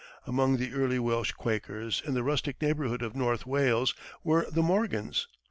Among the early Welsh Quakers in the rustic neighborhood of North Wales were the Morgans.